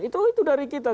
itu itu dari kita